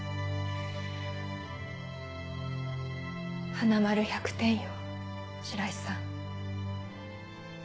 花丸１００点よ白井さん。